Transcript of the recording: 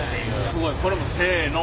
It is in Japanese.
すごい。これもせの。